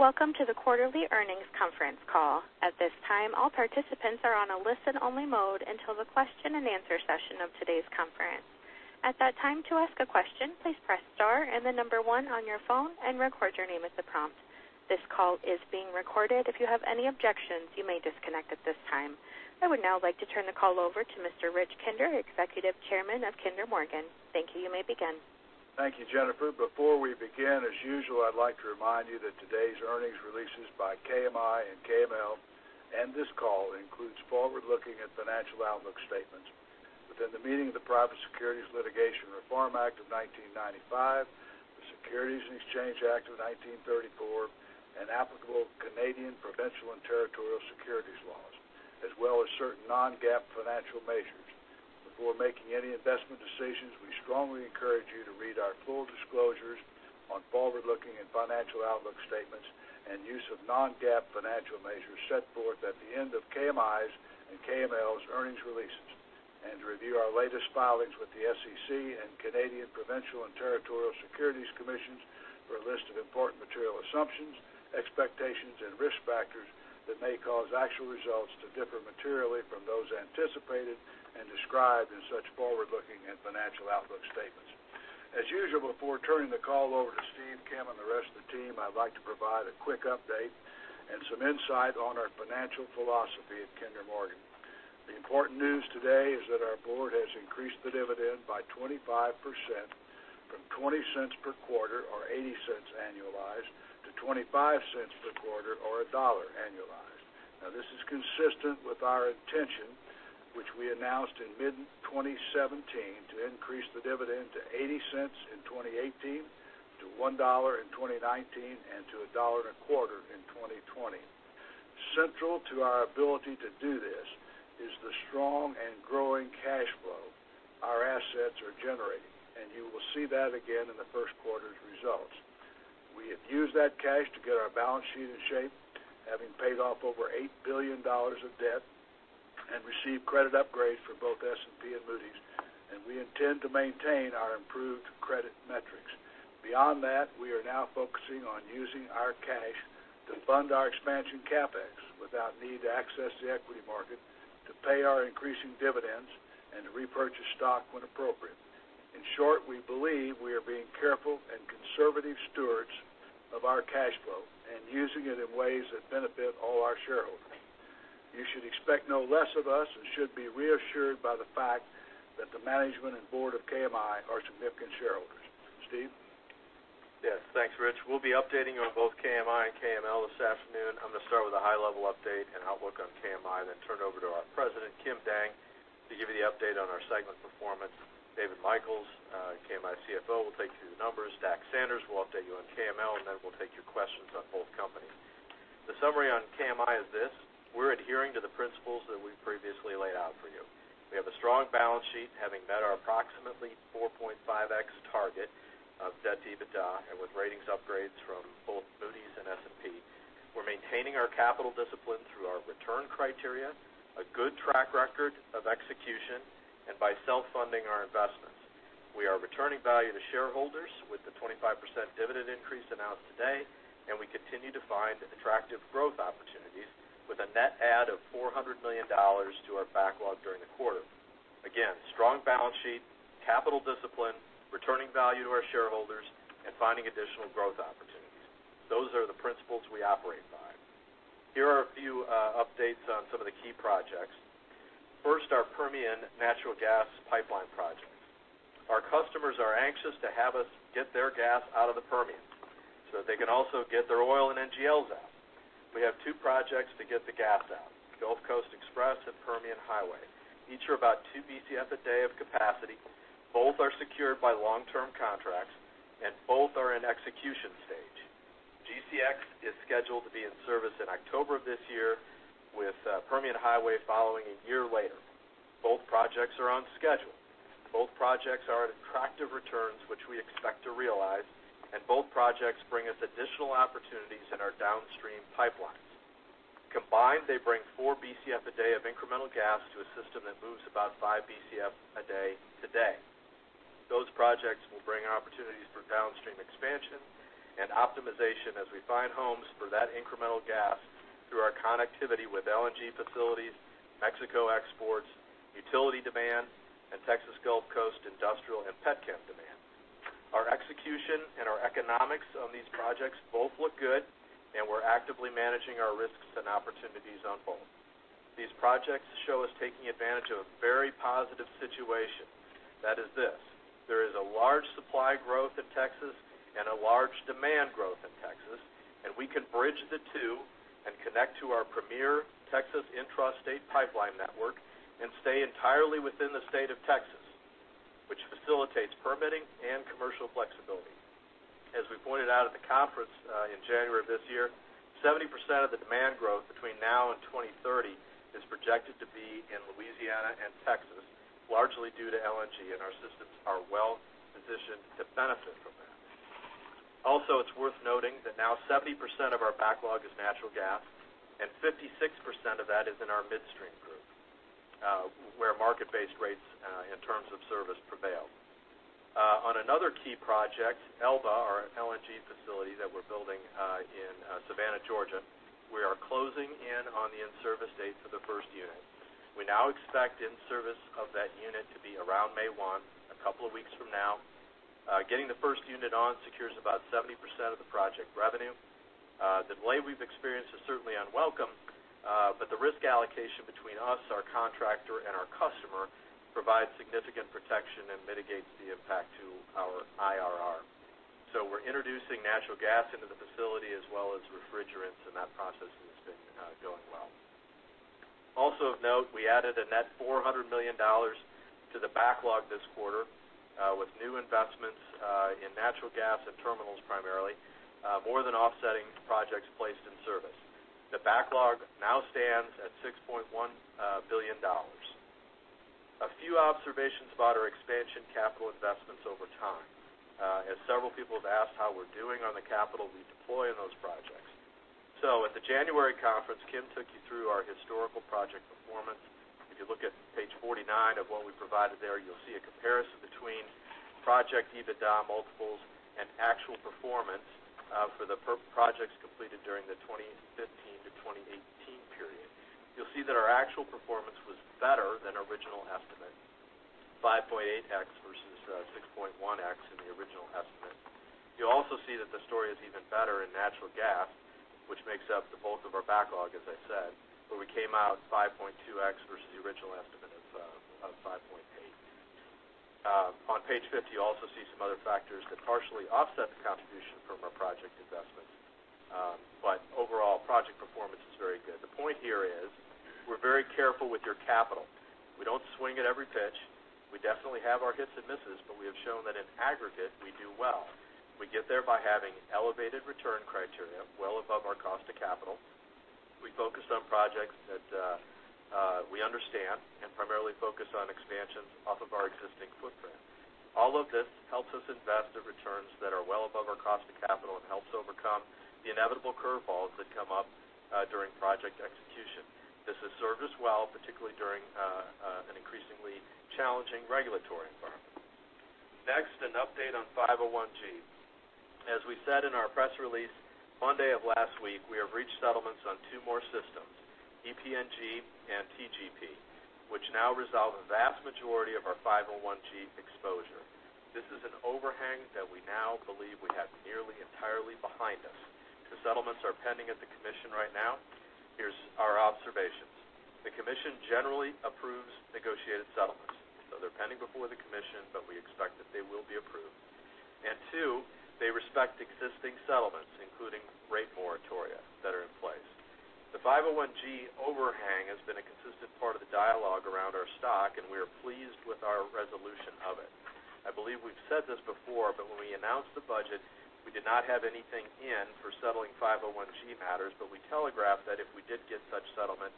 Welcome to the quarterly earnings conference call. At this time, all participants are on a listen-only mode until the question and answer session of today's conference. At that time, to ask a question, please press star and the number one on your phone and record your name at the prompt. This call is being recorded. If you have any objections, you may disconnect at this time. I would now like to turn the call over to Mr. Rich Kinder, Executive Chairman of Kinder Morgan. Thank you. You may begin. Thank you, Jennifer. Before we begin, as usual, I'd like to remind you that today's earnings releases by KMI and KML and this call includes forward-looking and financial outlook statements within the meaning of the Private Securities Litigation Reform Act of 1995, the Securities Exchange Act of 1934, and applicable Canadian provincial and territorial securities laws, as well as certain non-GAAP financial measures. Before making any investment decisions, we strongly encourage you to read our full disclosures on forward-looking and financial outlook statements and use of non-GAAP financial measures set forth at the end of KMI's and KML's earnings releases. To review our latest filings with the SEC and Canadian provincial and territorial securities commissions for a list of important material assumptions, expectations, and risk factors that may cause actual results to differ materially from those anticipated and described in such forward-looking and financial outlook statements. As usual, before turning the call over to Steve, Kim, and the rest of the team, I'd like to provide a quick update and some insight on our financial philosophy at Kinder Morgan. The important news today is that our board has increased the dividend by 25%, from $0.20 per quarter, or $0.80 annualized, to $0.25 per quarter or $1 annualized. This is consistent with our intention, which we announced in mid-2017, to increase the dividend to $0.80 in 2018, to $1 in 2019, and to a $1.25 in 2020. Central to our ability to do this is the strong and growing cash flow our assets are generating, and you will see that again in the first quarter's results. We have used that cash to get our balance sheet in shape, having paid off over $8 billion of debt and received credit upgrades for both S&P and Moody's. We intend to maintain our improved credit metrics. Beyond that, we are now focusing on using our cash to fund our expansion CapEx without need to access the equity market to pay our increasing dividends and to repurchase stock when appropriate. In short, we believe we are being careful and conservative stewards of our cash flow and using it in ways that benefit all our shareholders. You should expect no less of us and should be reassured by the fact that the management and board of KMI are significant shareholders. Steve? Yes. Thanks, Rich. We'll be updating you on both KMI and KML this afternoon. I'm going to start with a high-level update and outlook on KMI, then turn it over to our President, Kim Dang, to give you the update on our segment performance. David Michels, KMI CFO, will take you through the numbers. Dax Sanders will update you on KML. Then we'll take your questions on both companies. The summary on KMI is this: we're adhering to the principles that we previously laid out for you. We have a strong balance sheet, having met our approximately 4.5x target of debt to EBITDA, and with ratings upgrades from both Moody's and S&P. We're maintaining our capital discipline through our return criteria, a good track record of execution, and by self-funding our investments. We are returning value to shareholders with the 25% dividend increase announced today. We continue to find attractive growth opportunities with a net add of $400 million to our backlog during the quarter. Again, strong balance sheet, capital discipline, returning value to our shareholders, and finding additional growth opportunities. Those are the principles we operate by. Here are a few updates on some of the key projects. First, our Permian Natural Gas Pipeline project. Our customers are anxious to have us get their gas out of the Permian so that they can also get their oil and NGLs out. We have two projects to get the gas out: Gulf Coast Express and Permian Highway. Each are about 2 Bcf a day of capacity. Both are secured by long-term contracts. Both are in execution stage. GCX is scheduled to be in service in October of this year, with Permian Highway following a year later. Both projects are on schedule. Both projects are at attractive returns, which we expect to realize. Both projects bring us additional opportunities in our downstream pipelines. Combined, they bring 4 Bcf a day of incremental gas to a system that moves about 5 Bcf a day today. Those projects will bring opportunities for downstream expansion and optimization as we find homes for that incremental gas through our connectivity with LNG facilities, Mexico exports, utility demand, and Texas Gulf Coast industrial and pet chem demand. Our execution and our economics on these projects both look good. We're actively managing our risks and opportunities on both. These projects show us taking advantage of a very positive situation. That is this: there is a large supply growth in Texas and a large demand growth in Texas. We can bridge the two and connect to our premier Texas intrastate pipeline network and stay entirely within the state of Texas, which facilitates permitting and commercial flexibility. As we pointed out at the conference in January of this year, 70% of the demand growth between now and 2030 is projected to be in Louisiana and Texas, largely due to LNG. Our systems are well-positioned to benefit from that. Also, it's worth noting that now 70% of our backlog is natural gas. 56% of that is in our midstream group, where market-based rates in terms of service prevail. On another key project, Elba, our LNG facility that we're building in Savannah, Georgia, we are closing in on the in-service date for the first unit. We now expect in-service of that unit to be around May 1, a couple of weeks from now. Getting the first unit on secures about 70% of the project revenue. The delay we've experienced is certainly unwelcome, but the risk allocation between us, our contractor, and our customer provides significant protection and mitigates the impact to our IRR. We're introducing natural gas into the facility as well as refrigerants, and that process has been going well. Also of note, we added a net $400 million to the backlog this quarter with new investments in natural gas and terminals primarily, more than offsetting projects placed in service. The backlog now stands at $6.1 billion. A few observations about our expansion capital investments over time, as several people have asked how we're doing on the capital we deploy in those projects. At the January conference, Kim took you through our historical project performance. If you look at page 49 of what we provided there, you'll see a comparison between project EBITDA multiples and actual performance for the projects completed during the 2015 to 2018 period. You'll see that our actual performance was better than original estimate, 5.8x versus 6.1x in the original estimate. You'll also see that the story is even better in natural gas, which makes up the bulk of our backlog, as I said, where we came out 5.2x versus the original estimate of 5.8. On page 50, you'll also see some other factors that partially offset the contribution from our project investments. But overall, project performance is very good. The point here is we're very careful with your capital. We don't swing at every pitch. We definitely have our hits and misses, but we have shown that in aggregate, we do well. We get there by having elevated return criteria well above our cost of capital. We focus on projects that we understand and primarily focus on expansions off of our existing footprint. All of this helps us invest in returns that are well above our cost of capital and helps overcome the inevitable curve balls that come up during project execution. This has served us well, particularly during an increasingly challenging regulatory environment. Next, an update on 501-G. As we said in our press release Monday of last week, we have reached settlements on two more systems, EPNG and TGP, which now resolve a vast majority of our 501-G exposure. This is an overhang that we now believe we have nearly entirely behind us. The settlements are pending at the commission right now. Here's our observations. The commission generally approves negotiated settlements. They're pending before the commission, but we expect that they will be approved. They respect existing settlements, including rate moratoria that are in place. The 501-G overhang has been a consistent part of the dialogue around our stock, and we are pleased with our resolution of it. I believe we've said this before, but when we announced the budget, we did not have anything in for settling 501-G matters, but we telegraphed that if we did get such settlements,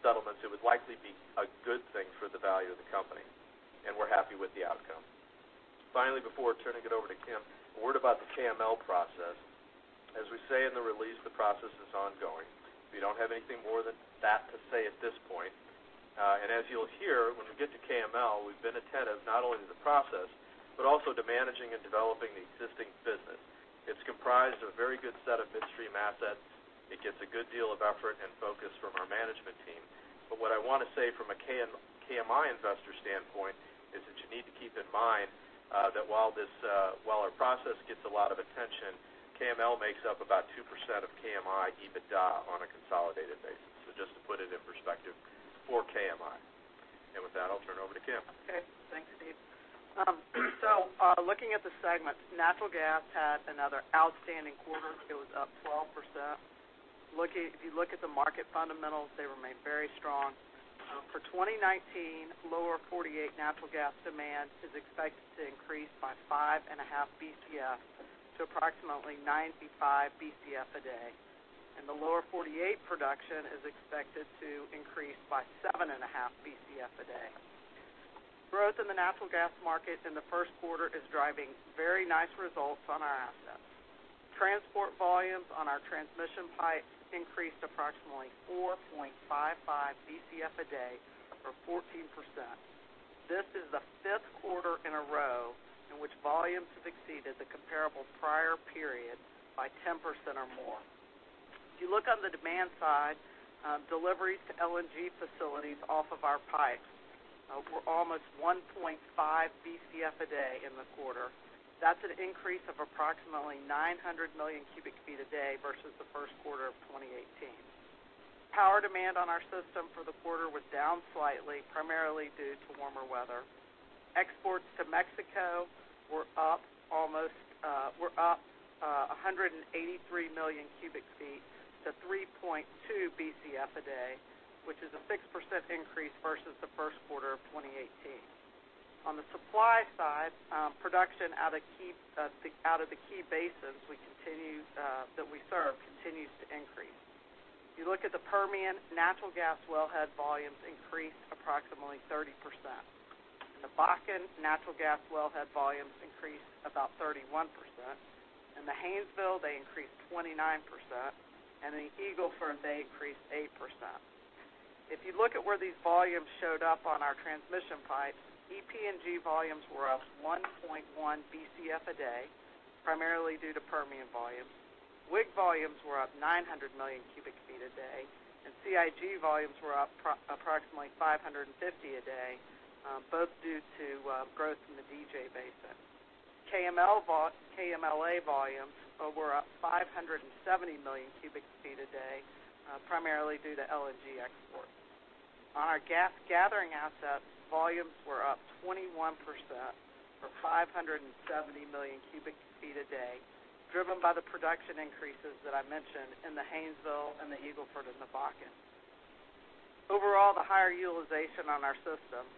it would likely be a good thing for the value of the company, and we're happy with the outcome. Finally, before turning it over to Kim, a word about the KML process. As we say in the release, the process is ongoing. We don't have anything more than that to say at this point. As you'll hear, when we get to KML, we've been attentive not only to the process, but also to managing and developing the existing business. It is comprised of a very good set of midstream assets. It gets a good deal of effort and focus from our management team. But what I want to say from a KMI investor standpoint is that you need to keep in mind that while our process gets a lot of attention, KML makes up about 2% of KMI EBITDA on a consolidated basis. Just to put it in perspective for KMI. With that, I'll turn it over to Kim. Okay. Thanks, Steve. Looking at the segments, natural gas had another outstanding quarter. It was up 12%. If you look at the market fundamentals, they remain very strong. For 2019, Lower 48 natural gas demand is expected to increase by 5.5 Bcf to approximately 95 Bcf a day. The Lower 48 production is expected to increase by 7.5 Bcf a day. Growth in the natural gas markets in the first quarter is driving very nice results on our assets. Transport volumes on our transmission pipes increased approximately 4.55 Bcf a day or 14%. This is the fifth quarter in a row in which volumes have exceeded the comparable prior period by 10% or more. If you look on the demand side, deliveries to LNG facilities off of our pipes were almost 1.5 Bcf a day in the quarter. That is an increase of approximately 900 million cubic feet a day versus the first quarter of 2018. Power demand on our system for the quarter was down slightly, primarily due to warmer weather. Exports to Mexico were up 183 million cubic feet to 3.2 Bcf a day, which is a 6% increase versus the first quarter of 2018. On the supply side, production out of the key basins that we serve continues to increase. If you look at the Permian, natural gas wellhead volumes increased approximately 30%. In the Bakken, natural gas wellhead volumes increased about 31%. In the Haynesville, they increased 29%, and in the Eagle Ford, they increased 8%. If you look at where these volumes showed up on our transmission pipes, EPNG volumes were up 1.1 Bcf a day, primarily due to Permian volumes. WIG volumes were up 900 million cubic feet a day, and CIG volumes were up approximately 550 a day, both due to growth in the DJ basin. KMLP volumes were up 570 million cubic feet a day, primarily due to LNG exports. On our gas gathering assets, volumes were up 21%, or 570 million cubic feet a day, driven by the production increases that I mentioned in the Haynesville and the Eagle Ford and the Bakken. Overall, the higher utilization on our systems,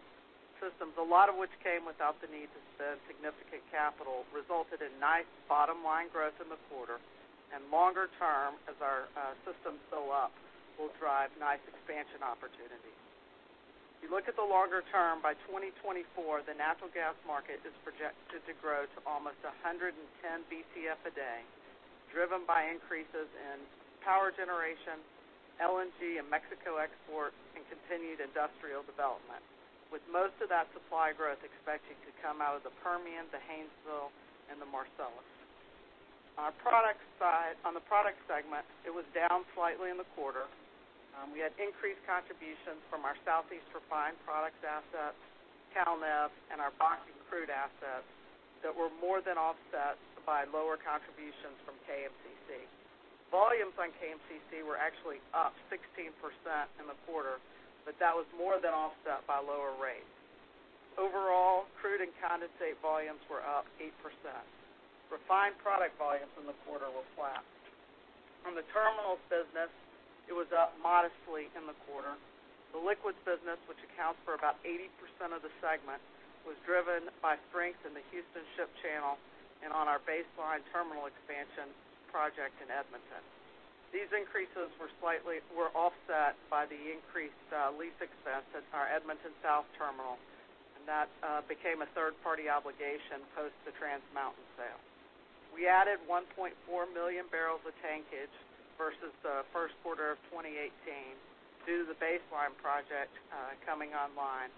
a lot of which came without the need to spend significant capital, resulted in nice bottom-line growth in the quarter, and longer term, as our systems fill up, will drive nice expansion opportunities. If you look at the longer term, by 2024, the natural gas market is projected to grow to almost 110 Bcf a day, driven by increases in power generation, LNG and Mexico exports, and continued industrial development, with most of that supply growth expected to come out of the Permian, the Haynesville, and the Marcellus. The products segment was down slightly in the quarter. We had increased contributions from our Southeast refined products assets, CALNEV, and our Bakken crude assets that were more than offset by lower contributions from KMCC. Volumes on KMCC were actually up 16% in the quarter, but that was more than offset by lower rates. Overall, crude and condensate volumes were up 8%. Refined product volumes in the quarter were flat. The terminals business was up modestly in the quarter. The liquids business, which accounts for about 80% of the segment, was driven by strength in the Houston Ship Channel and on our Base Line Terminal expansion project in Edmonton. These increases were offset by the increased lease expense at our Edmonton South Terminal, and that became a third-party obligation post the Trans Mountain sale. We added 1.4 million barrels of tankage versus the first quarter of 2018 due to the Base Line project coming online,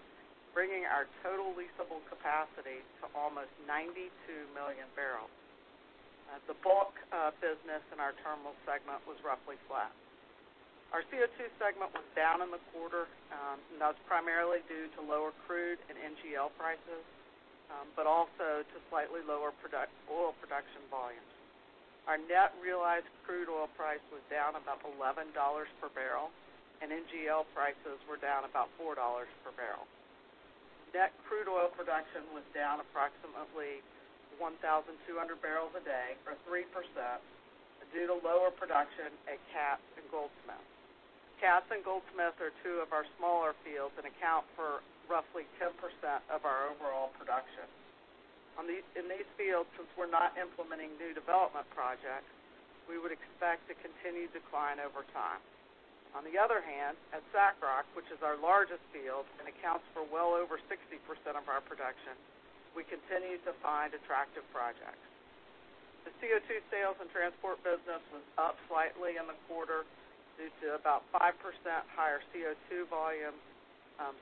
bringing our total leasable capacity to almost 92 million barrels. The bulk business in our terminals segment was roughly flat. Our CO2 segment was down in the quarter. That was primarily due to lower crude and NGL prices, but also to slightly lower oil production volumes. Our net realized crude oil price was down about $11 per barrel, and NGL prices were down about $4 per barrel. Net crude oil production was down approximately 1,200 barrels a day, or 3%, due to lower production at Capps and Goldsmith. Capps and Goldsmith are two of our smaller fields and account for roughly 10% of our overall production. In these fields, since we're not implementing new development projects, we would expect a continued decline over time. On the other hand, at SACROC, which is our largest field and accounts for well over 60% of our production, we continue to find attractive projects. The CO2 sales and transport business was up slightly in the quarter due to about 5% higher CO2 volumes.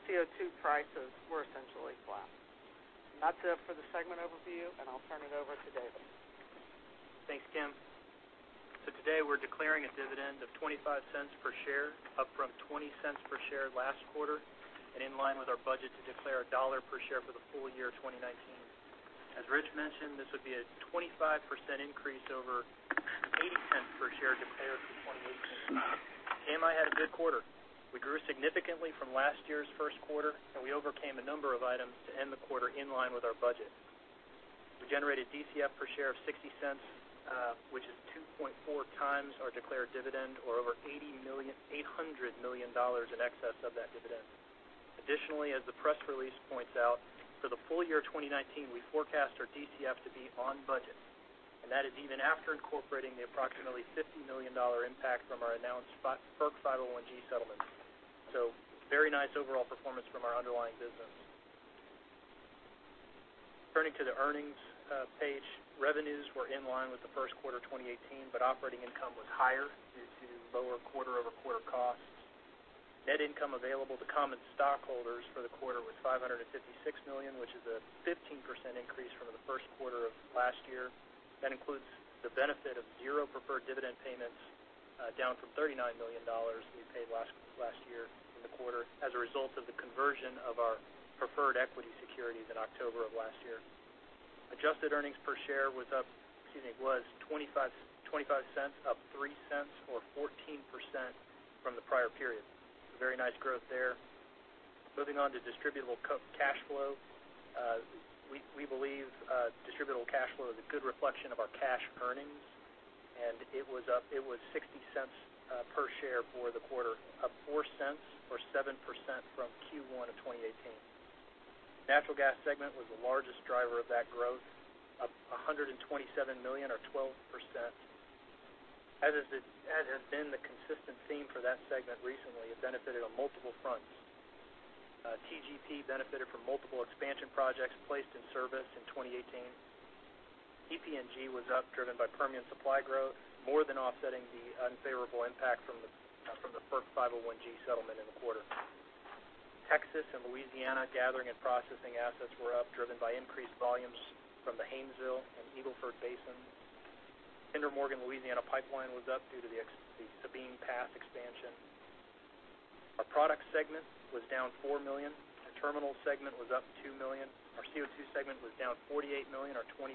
CO2 prices were essentially flat. That's it for the segment overview, I'll turn it over to David. Thanks, Kim. Today we're declaring a dividend of $0.25 per share, up from $0.20 per share last quarter and in line with our budget to declare $1 per share for the full year of 2019. As Rich mentioned, this would be a 25% increase over $0.80 per share declared for 2018. KMI had a good quarter. We grew significantly from last year's first quarter, and we overcame a number of items to end the quarter in line with our budget. We generated DCF per share of $0.60, which is 2.4 times our declared dividend, or over $800 million in excess of that dividend. Additionally, as the press release points out, for the full year 2019, we forecast our DCF to be on budget, and that is even after incorporating the approximately $50 million impact from our announced FERC 501 settlement. Very nice overall performance from our underlying business. Turning to the earnings page, revenues were in line with the first quarter 2018, operating income was higher due to lower quarter-over-quarter costs. Net income available to common stockholders for the quarter was $556 million, which is a 15% increase from the first quarter of last year. That includes the benefit of zero preferred dividend payments, down from $39 million we paid last year in the quarter as a result of the conversion of our preferred equity securities in October of last year. Adjusted earnings per share was $0.25, up $0.03 or 14% from the prior period. Very nice growth there. Moving on to distributable cash flow. We believe distributable cash flow is a good reflection of our cash earnings, it was $0.60 per share for the quarter, up $0.04 or 7% from Q1 of 2018. Natural Gas segment was the largest driver of that growth, up $127 million or 12%. As has been the consistent theme for that segment recently, it benefited on multiple fronts. TGP benefited from multiple expansion projects placed in service in 2018. EPNG was up driven by Permian supply growth, more than offsetting the unfavorable impact from the FERC Form 501-G settlement in the quarter. Texas and Louisiana gathering and processing assets were up driven by increased volumes from the Haynesville and Eagle Ford Basin. Kinder Morgan Louisiana Pipeline was up due to the Sabine Pass expansion. Our product segment was down $4 million. Our terminal segment was up $2 million. Our CO2 segment was down $48 million or 20%,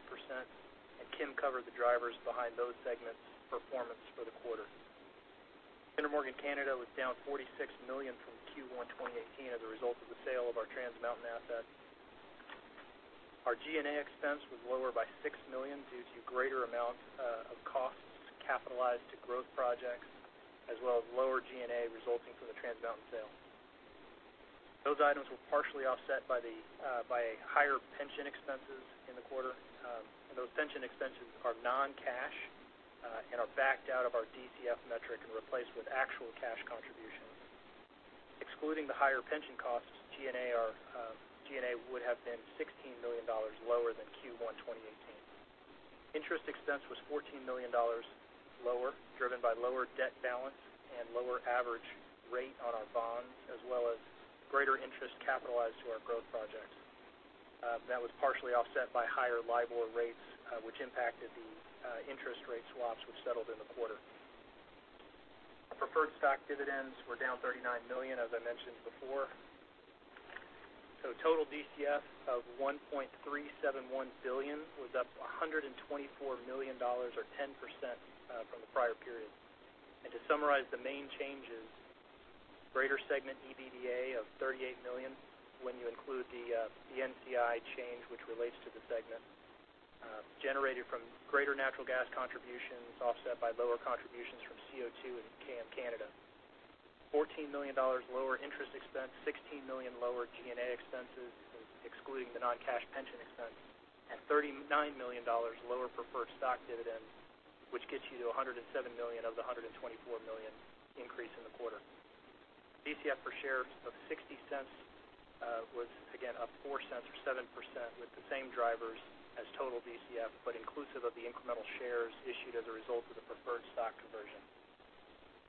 Kim covered the drivers behind those segments' performance for the quarter. Kinder Morgan Canada was down $46 million from Q1 2018 as a result of the sale of our Trans Mountain asset. Our G&A expense was lower by $6 million due to greater amount of costs capitalized to growth projects, as well as lower G&A resulting from the Trans Mountain sale. Those items were partially offset by higher pension expenses in the quarter. Those pension expenses are non-cash and are backed out of our DCF metric and replaced with actual cash contributions. Excluding the higher pension costs, G&A would have been $16 million lower than Q1 2018. Interest expense was $14 million lower, driven by lower debt balance and lower average rate on our bonds, as well as greater interest capitalized to our growth projects. That was partially offset by higher LIBOR rates, which impacted the interest rate swaps which settled in the quarter. Preferred stock dividends were down $39 million, as I mentioned before. Total DCF of $1.371 billion was up $124 million or 10% from the prior period. To summarize the main changes, greater segment EBITDA of $38 million, when you include the NCI change, which relates to the segment, generated from greater Natural Gas contributions, offset by lower contributions from CO2 and KM Canada. $14 million lower interest expense, $16 million lower G&A expenses, excluding the non-cash pension expense, $39 million lower preferred stock dividends, which gets you to $107 million of the $124 million increase in the quarter. DCF per share of $0.60 was again up $0.04 or 7% with the same drivers as total DCF, but inclusive of the incremental shares issued as a result of the preferred stock conversion.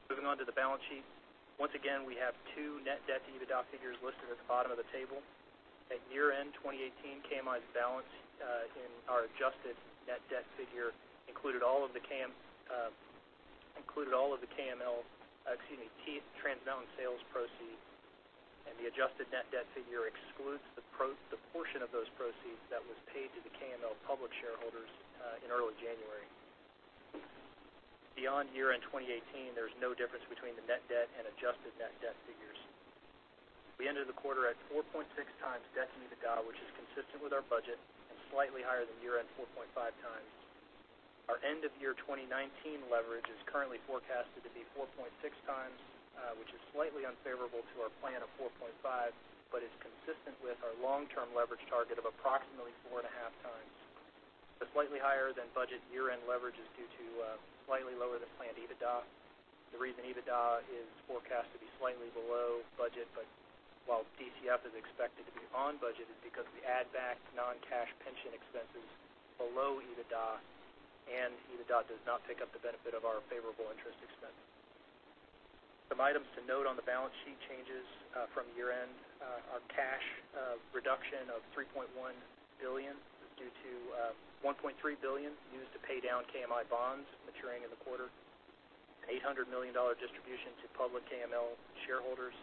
Moving on to the balance sheet. Once again, we have two net debt to EBITDA figures listed at the bottom of the table. At year-end 2018, KMI's balance in our adjusted net debt figure included all of the KML, excuse me, Trans Mountain sales proceeds, and the adjusted net debt figure excludes the portion of those proceeds that was paid to the KML public shareholders in early January. Beyond year-end 2018, there is no difference between the net debt and adjusted net debt figures. We ended the quarter at 4.6 times debt to EBITDA, which is consistent with our budget and slightly higher than year-end 4.5 times. Our end of year 2019 leverage is currently forecasted to be 4.6 times, which is slightly unfavorable to our plan of 4.5, but is consistent with our long-term leverage target of approximately 4.5 times. The slightly higher than budget year-end leverage is due to slightly lower than planned EBITDA. The reason EBITDA is forecast to be slightly below budget, but while DCF is expected to be on budget is because we add back non-cash pension expenses below EBITDA, and EBITDA does not pick up the benefit of our favorable interest expense. Some items to note on the balance sheet changes from year-end are cash reduction of $3.1 billion due to $1.3 billion used to pay down KMI bonds maturing in the quarter, $800 million distribution to public KML shareholders,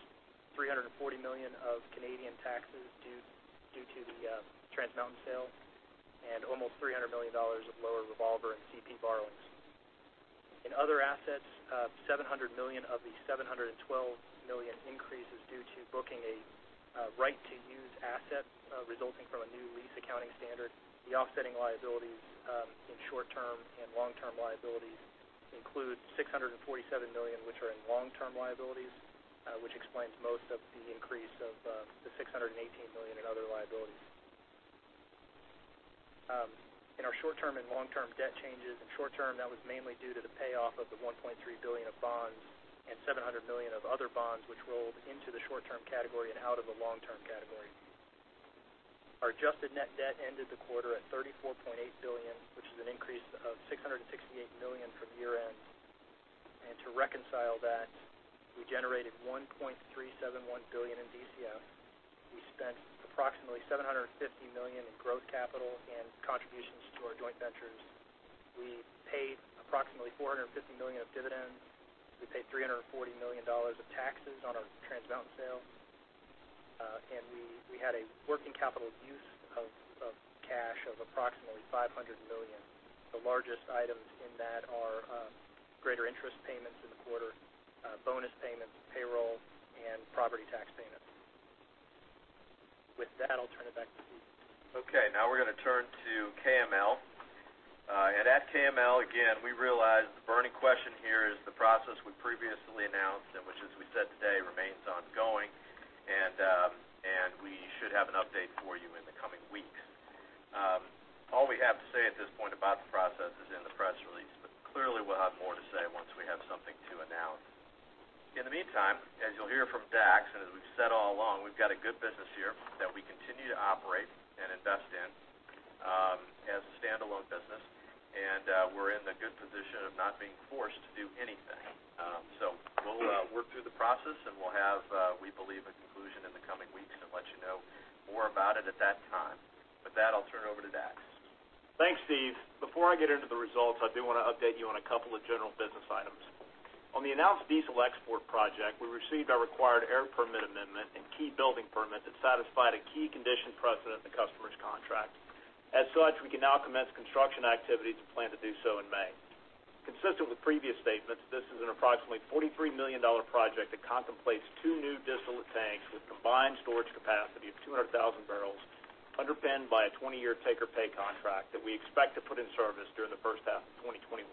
340 million of Canadian taxes due to the Trans Mountain sale, and almost $300 million of lower revolver and CP borrowings. In other assets, $700 million of the $712 million increase is due to booking a right-to-use asset resulting from a new lease accounting standard. The offsetting liabilities in short-term and long-term liabilities include $647 million, which are in long-term liabilities, which explains most of the increase of the $618 million in other liabilities. In our short-term and long-term debt changes, in short-term, that was mainly due to the payoff of the $1.3 billion of bonds and $700 million of other bonds, which rolled into the short-term category and out of the long-term category. Our adjusted net debt ended the quarter at $34.8 billion, which is an increase of $668 million from year-end. To reconcile that, we generated $1.371 billion in DCF. We spent approximately $750 million in growth capital and contributions to our joint ventures. We paid approximately $450 million of dividends. We paid 340 million dollars of taxes on our Trans Mountain sale. We had a working capital use of cash of approximately $500 million. The largest items in that are greater interest payments in the quarter, bonus payments, payroll, and property tax payments. With that, I'll turn it back to Steve. Okay, now we're going to turn to KML. At KML, again, we realize the burning question here is the process we previously announced, which as we said today, remains ongoing. We should have an update. All we have to say at this point about the process is in the press release. Clearly, we'll have more to say once we have something to announce. In the meantime, as you'll hear from Dax, and as we've said all along, we've got a good business here that we continue to operate and invest in as a standalone business, and we're in the good position of not being forced to do anything. We'll work through the process, and we'll have, we believe, a conclusion in the coming weeks and let you know more about it at that time. With that, I'll turn it over to Dax. Thanks, Steve. Before I get into the results, I do want to update you on a couple of general business items. On the announced diesel export project, we received our required air permit amendment and key building permit that satisfied a key condition precedent in the customer's contract. As such, we can now commence construction activities and plan to do so in May. Consistent with previous statements, this is an approximately $43 million project that contemplates two new distillate tanks with combined storage capacity of 200,000 barrels, underpinned by a 20-year take-or-pay contract that we expect to put in service during the first half of 2021.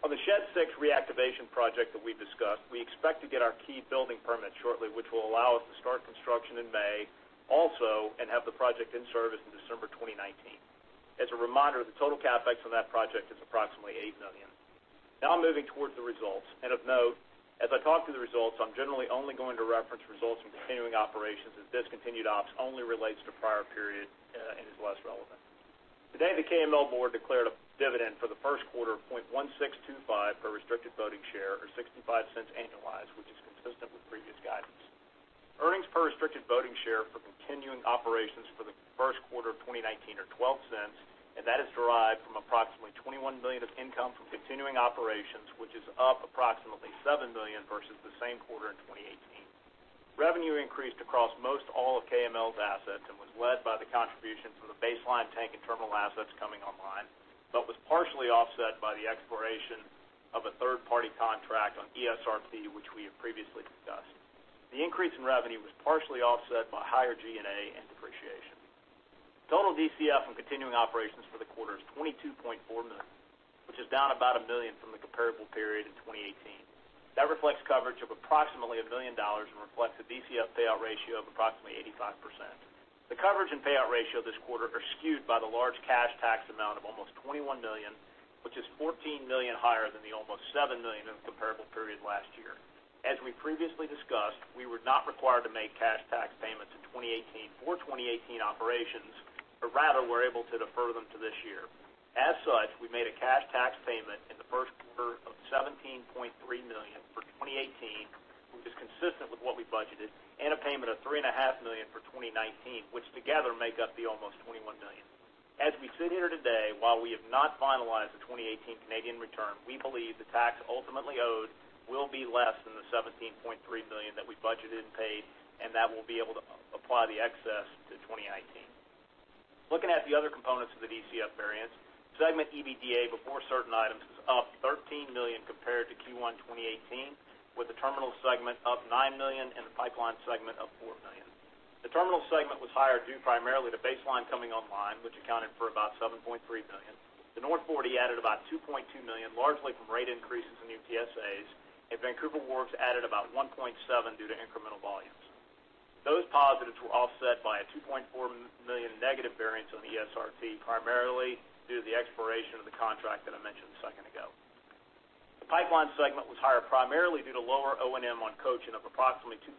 On the Shed 6 reactivation project that we discussed, we expect to get our key building permit shortly, which will allow us to start construction in May also, and have the project in service in December 2019. As a reminder, the total CapEx on that project is approximately $8 million. Now moving towards the results. Of note, as I talk through the results, I'm generally only going to reference results from continuing operations, as discontinued ops only relates to prior period and is less relevant. Today, the KML board declared a dividend for the first quarter of $0.1625 per restricted voting share, or $0.65 annualized, which is consistent with previous guidance. Earnings per restricted voting share for continuing operations for the first quarter of 2019 are $0.12, and that is derived from approximately $21 million of income from continuing operations, which is up approximately $7 million versus the same quarter in 2018. Revenue increased across most all of KML's assets and was led by the contribution from the Base Line tank and terminal assets coming online, but was partially offset by the expiration of a third-party contract on ESRP, which we have previously discussed. The increase in revenue was partially offset by higher G&A and depreciation. Total DCF from continuing operations for the quarter is $22.4 million, which is down about $1 million from the comparable period in 2018. That reflects coverage of approximately $1 million and reflects a DCF payout ratio of approximately 85%. The coverage and payout ratio this quarter are skewed by the large cash tax amount of almost $21 million, which is $14 million higher than the almost $7 million in the comparable period last year. As we previously discussed, we were not required to make cash tax payments in 2018 for 2018 operations, but rather were able to defer them to this year. As such, we made a cash tax payment in the 1st quarter of $17.3 million for 2018, which is consistent with what we budgeted, and a payment of $3.5 million for 2019, which together make up the almost $21 million. As we sit here today, while we have not finalized the 2018 Canadian return, we believe the tax ultimately owed will be less than the $17.3 million that we budgeted and paid, and that we'll be able to apply the excess to 2019. Looking at the other components of the DCF variance, segment EBITDA before certain items was up $13 million compared to Q1 2018, with the terminal segment up $9 million and the pipeline segment up $4 million. The terminal segment was higher due primarily to Base Line coming online, which accounted for about $7.3 million. The North 40 added about $2.2 million, largely from rate increases in new PSAs, and Vancouver Wharves added about $1.7 million due to incremental volumes. Those positives were offset by a $2.4 million negative variance on ESRP, primarily due to the expiration of the contract that I mentioned a second ago. The pipeline segment was higher, primarily due to lower O&M on Cochin of approximately $2.7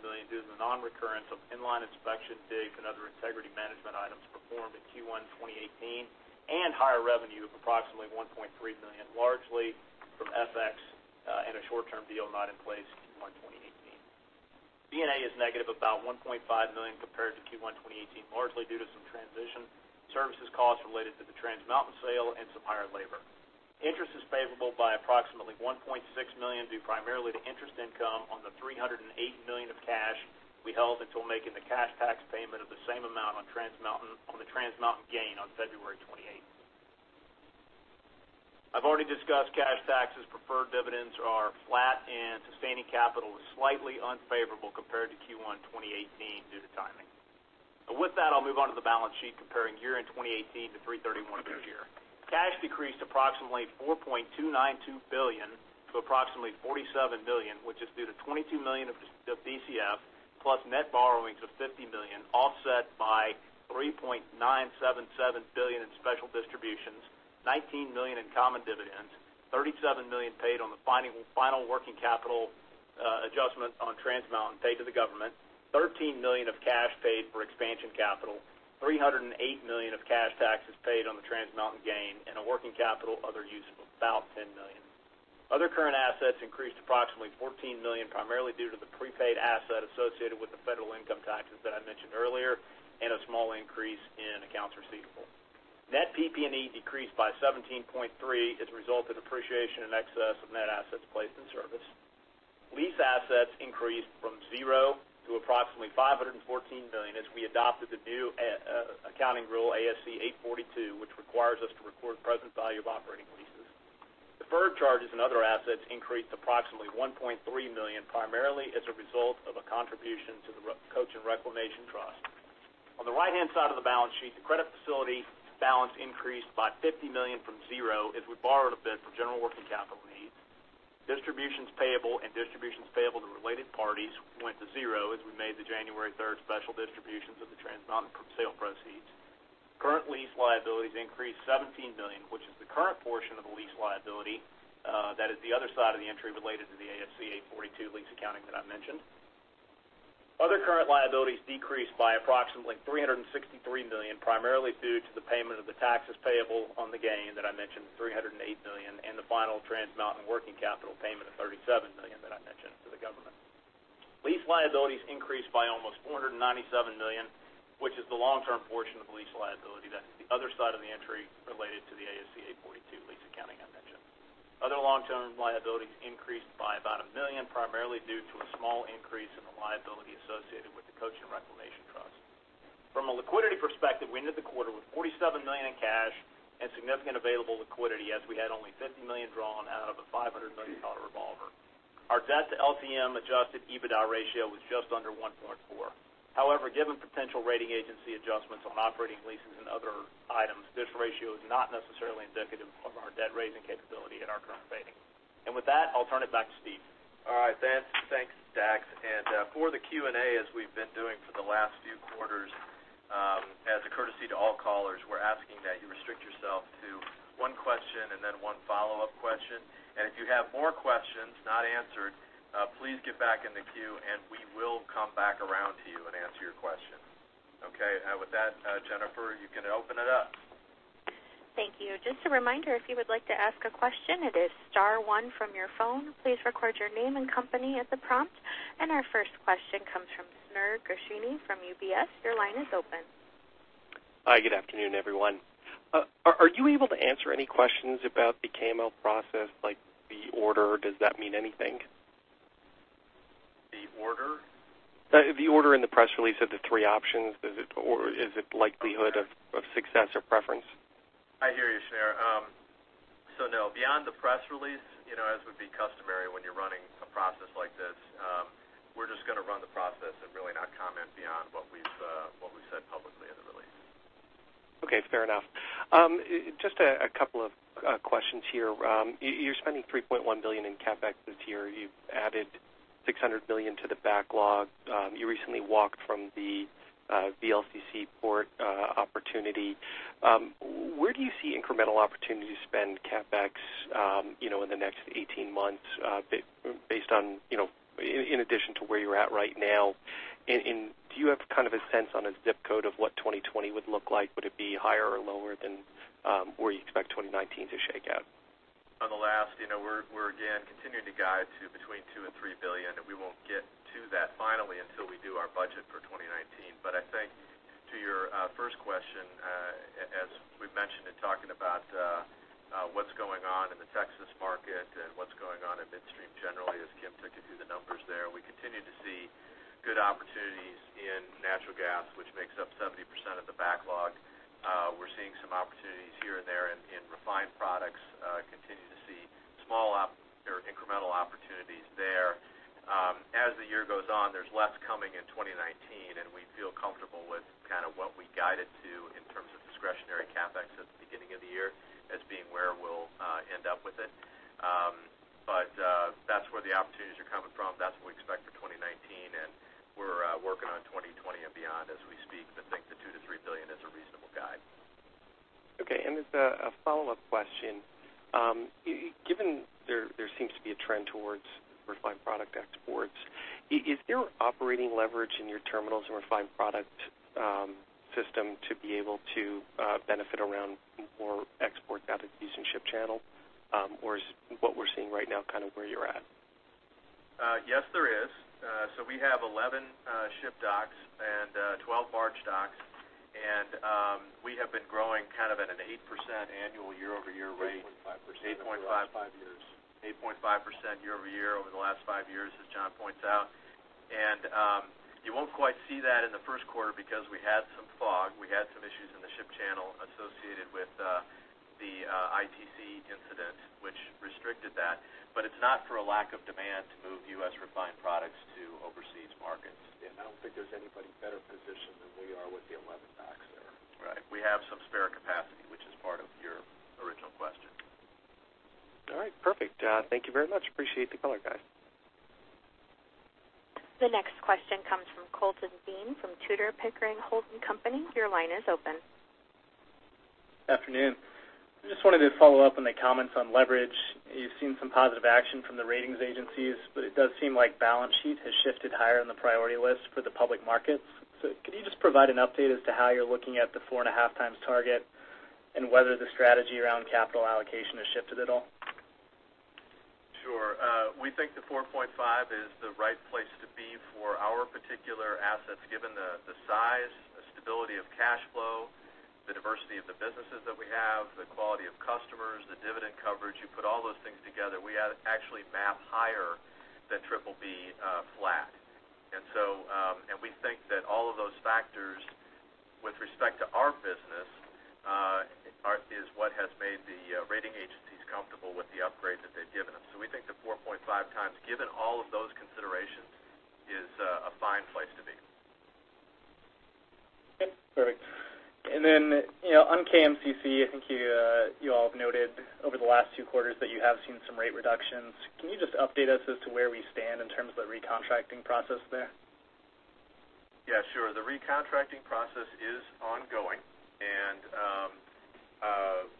million due to the non-recurrence of inline inspection digs and other integrity management items performed in Q1 2018, and higher revenue of approximately $1.3 million, largely from FX and a short-term deal not in place in Q1 2018. G&A is negative about $1.5 million compared to Q1 2018, largely due to some transition services costs related to the Trans Mountain sale and some higher labor. Interest is favorable by approximately $1.6 million due primarily to interest income on the $308 million of cash we held until making the cash tax payment of the same amount on the Trans Mountain gain on February 28th. I've already discussed cash taxes. Preferred dividends are flat, and sustaining capital is slightly unfavorable compared to Q1 2018 due to timing. With that, I'll move on to the balance sheet comparing year-end 2018 to 3/31 this year. Cash decreased approximately $4.292 billion to approximately $47 million, which is due to $22 million of DCF, plus net borrowings of $50 million, offset by $3.977 billion in special distributions, $19 million in common dividends, $37 million paid on the final working capital adjustment on Trans Mountain paid to the government, $13 million of cash paid for expansion capital, $308 million of cash taxes paid on the Trans Mountain gain, and a working capital/other use of about $10 million. Other current assets increased approximately $14 million, primarily due to the prepaid asset associated with the federal income taxes that I mentioned earlier, and a small increase in accounts receivable. Net PP&E decreased by $17.3 million as a result of depreciation in excess of net assets placed in service. Lease assets increased from zero to approximately $514 million as we adopted the new accounting rule, ASC 842, which requires us to record present value of operating leases. Deferred charges and other assets increased approximately $1.3 million, primarily as a result of a contribution to the Cochin Reclamation Trust. On the right-hand side of the balance sheet, the credit facility balance increased by $50 million from zero as we borrowed a bit for general working capital needs. Distributions payable and distributions payable to related parties went to zero as we made the January 3rd special distributions of the Trans Mountain sale proceeds. Current lease liabilities increased $17 million, which is the current portion of the lease liability. That is the other side of the entry related to the ASC 842 lease accounting that I mentioned. Other current liabilities decreased by approximately $363 million, primarily due to the payment of the taxes payable on the gain that I mentioned, $308 million, and the final Trans Mountain working capital payment of $37 million that I mentioned to the government. Lease liabilities increased by almost $497 million, which is the long-term portion of the lease liability. That's the other side of the entry related to the ASC 842 lease accounting I mentioned. Other long-term liabilities increased by about a million, primarily due to a small increase in the liability associated with the Cochin Reclamation Trust. From a liquidity perspective, we ended the quarter with $47 million in cash and significant available liquidity, as we had only $50 million drawn out of a $500 million revolver. Our debt-to-LTM adjusted EBITDA ratio was just under 1.4. However, given potential rating agency adjustments on operating leases and other items, this ratio is not necessarily indicative of our debt-raising capability and our current rating. With that, I'll turn it back to Steve. All right, thanks, Dax. For the Q&A, as we've been doing for the last few quarters, as a courtesy to all callers, we're asking that you restrict yourself to one question and then one follow-up question. If you have more questions not answered, please get back in the queue, and we will come back around to you and answer your question. Okay. With that, Jennifer, you can open it up. Thank you. Just a reminder, if you would like to ask a question, it is star one from your phone. Please record your name and company at the prompt. Our first question comes from Shneur Gershuni from UBS. Your line is open. Hi, good afternoon, everyone. Are you able to answer any questions about the KML process? Like the order? Does that mean anything? The order? The order in the press release of the three options. Is it likelihood of success or preference? I hear you, Shneur. No, beyond the press release, as would be customary when you're running a process like this, we're just going to run the process and really not comment beyond what we've said publicly in the release. Okay, fair enough. Just a couple of questions here. You're spending $3.1 billion in CapEx this year. You've added $600 million to the backlog. You recently walked from the VLCC port opportunity. Where do you see incremental opportunity to spend CapEx in the next 18 months, in addition to where you're at right now? Do you have a sense on a ZIP code of what 2020 would look like? Would it be higher or lower than where you expect 2019 to shake out? On the last, we're again continuing to guide to between $2 billion and $3 billion, we won't get to that finally until we do our budget for 2019. I think to your first question, as we've mentioned in talking about what's going on in the Texas market and what's going on in midstream generally, as Kim took you through the numbers there, we continue to see good opportunities in natural gas, which makes up 70% of the backlog. We're seeing some opportunities here and there in refined products, continue to see small incremental opportunities there. As the year goes on, there's less coming in 2019, we feel comfortable with what we guided to in terms of discretionary CapEx at the beginning of the year as being where we'll end up with it. That's where the opportunities are coming from. That's what we expect for 2019, we're working on 2020 and beyond as we speak. I think the $2 billion-$3 billion is a reasonable guide. Okay. As a follow-up question, given there seems to be a trend towards refined product exports, is there operating leverage in your terminals and refined product system to be able to benefit around more export out of Houston Ship Channel? Is what we are seeing right now where you are at? Yes, there is. We have 11 ship docks and 12 barge docks, and we have been growing at an 8% annual year-over-year rate. 8.5% over the last five years. 8.5% year-over-year over the last five years, as John points out. You will not quite see that in the first quarter because we had some fog. We had some issues in the Ship Channel associated with the ITC incident, which restricted that. It is not for a lack of demand to move U.S. refined products to overseas markets. I don't think there's anybody better positioned than we are with the 11 docks there. Right. We have some spare capacity, which is part of your original question. All right, perfect. Thank you very much. Appreciate the color, guys. The next question comes from Colton Bean from Tudor, Pickering, Holt & Co.. Your line is open. Afternoon. I just wanted to follow up on the comments on leverage. You've seen some positive action from the ratings agencies, it does seem like balance sheet has shifted higher on the priority list for the public markets. Can you just provide an update as to how you're looking at the 4.5 times target and whether the strategy around capital allocation has shifted at all? Sure. We think the 4.5 is the right place to be for our particular assets, given the size, the stability of cash flow, the diversity of the businesses that we have, the quality of customers, the dividend coverage. You put all those things together, we actually map higher than triple B flat. We think that all of those factors with respect to our business is what has made the rating agencies comfortable with the upgrade that they've given us. We think the 4.5 times, given all of those considerations, is a fine place Okay, perfect. On KMCC, I think you all have noted over the last two quarters that you have seen some rate reductions. Can you just update us as to where we stand in terms of the recontracting process there? Yeah, sure. The recontracting process is ongoing, and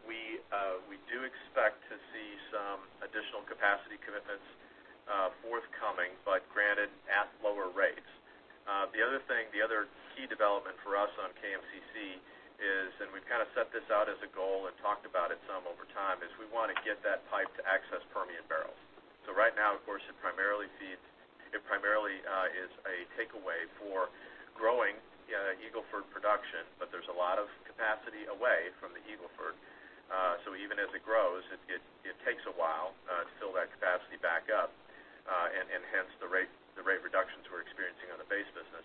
we do expect to see some additional capacity commitments forthcoming, but granted, at lower rates. The other key development for us on KMCC is, and we've set this out as a goal and talked about it some over time, is we want to get that pipe to access Permian barrels. Right now, of course, it primarily is a takeaway for growing Eagle Ford production, but there's a lot of capacity away from the Eagle Ford. Even as it grows, it takes a while to fill that capacity back up, and hence the rate reductions we're experiencing on the base business.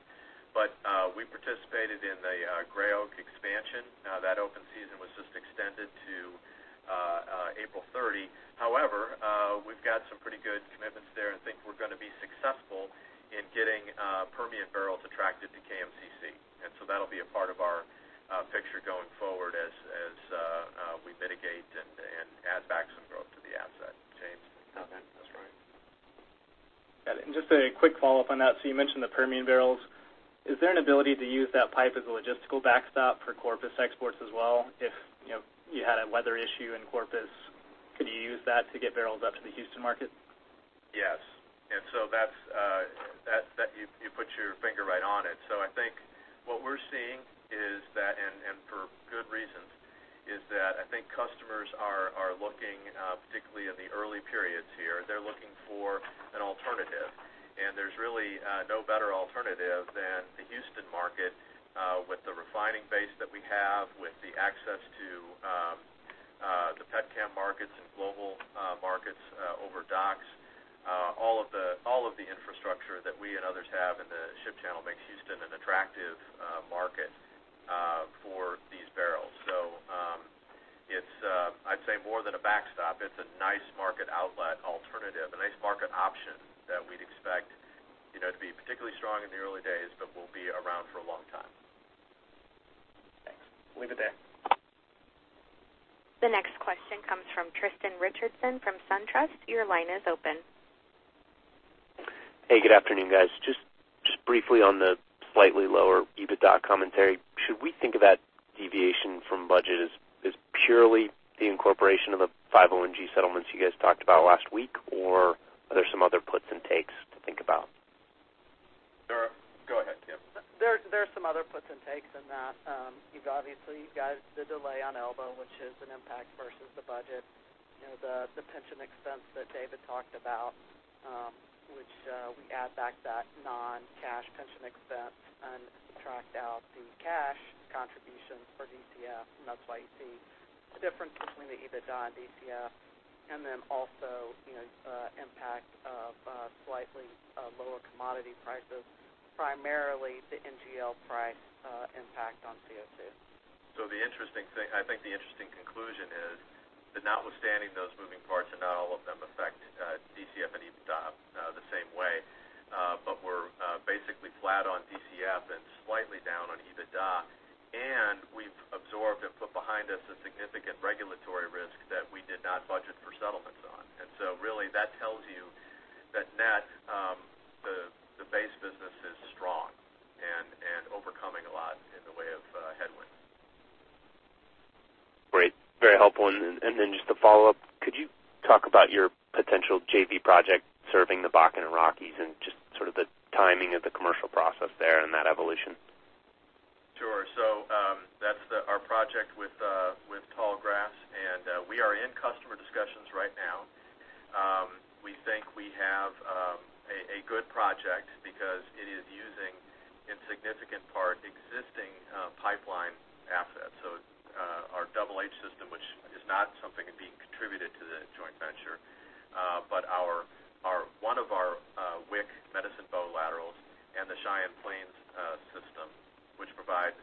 We participated in the Gray Oak expansion. That open season was just extended to April 30. However, we've got some pretty good commitments there and think we're going to be successful in getting Permian barrels attracted to KMCC. That'll be a part of our picture going forward as we mitigate and add back some growth to the asset. [inaudible] Tammy, then Ryan. Got it. Just a quick follow-up on that. You mentioned the Permian barrels. Is there an ability to use that pipe as a logistical backstop for Corpus exports as well? If you had a weather issue in Corpus, could you use that to get barrels up to the Houston market? Yes. You put your finger right on it. I think what we're seeing is that, and for good reasons, is that I think customers are looking, particularly in the early periods here, they're looking for an alternative. There's really no better alternative than the Houston market with the refining base that we have, with the access to the petchem markets and global markets over docks. All of the infrastructure that we and others have in the ship channel makes Houston an attractive market for these barrels. It's, I'd say more than a backstop. It's a nice market outlet alternative, a nice market option that we'd expect to be particularly strong in the early days but will be around for a long time. Thanks. We'll leave it there. The next question comes from Tristan Richardson from SunTrust. Your line is open. Hey, good afternoon, guys. Just briefly on the slightly lower EBITDA commentary, should we think of that deviation from budget as purely the incorporation of the 501-G settlements you guys talked about last week, or are there some other puts and takes to think about? Kimberly, go ahead. There are some other puts and takes in that. You've obviously got the delay on Elba, which is an impact versus the budget. The pension expense that David talked about, which we add back that non-cash pension expense and subtract out the cash contribution for DCF. That's why you see a difference between the EBITDA and DCF. Also, impact of slightly lower commodity prices, primarily the NGL price impact on CO2. I think the interesting conclusion is that notwithstanding those moving parts, not all of them affect DCF and EBITDA the same way. We're basically flat on DCF and slightly down on EBITDA, and we've absorbed and put behind us a significant regulatory risk that we did not budget for settlements on. Really that tells you that net, the base business is strong and overcoming a lot in the way of headwinds. Great. Very helpful. Just a follow-up. Could you talk about your potential JV project serving the Bakken and Rockies and just sort of the timing of the commercial process there and that evolution? Sure. That's our project with Tallgrass, we are in customer discussions right now. We think we have a good project because it is using, in significant part, existing pipeline assets. Our Double H system, which is not something being contributed to the joint venture, but one of our WIC Medicine Bow laterals and the Cheyenne Plains system, which provide